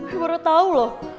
gue baru tau loh